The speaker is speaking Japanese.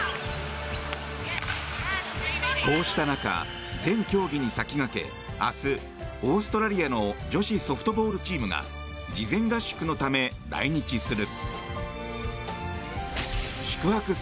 こうした中、全競技に先駆け明日オーストラリアの女子ソフトボールチームが事前合宿のため来日する。